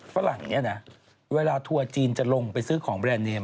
ฝรั่งเนี่ยนะเวลาทัวร์จีนจะลงไปซื้อของแบรนด์เนม